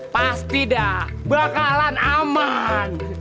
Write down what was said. pasti dah bakalan aman